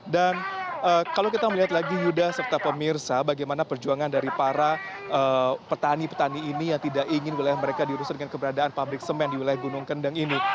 dan kalau kita melihat lagi yudha serta pemirsa bagaimana perjuangan dari para petani petani ini yang tidak ingin wilayah mereka diuruskan dengan keberadaan pabrik semen di wilayah gunung kendang ini